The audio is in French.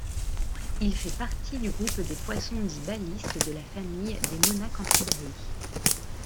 Il fait partie du groupe des poissons dits balistes de la famille des Monacanthidae.